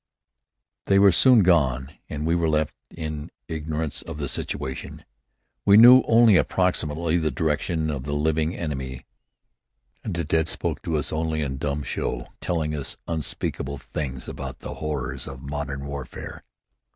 They were soon gone and we were left in ignorance of the situation. We knew only approximately the direction of the living enemy and the dead spoke to us only in dumb show, telling us unspeakable things about the horrors of modern warfare.